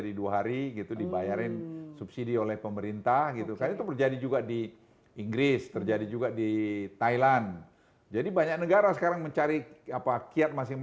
dan bagaimana di kesehatan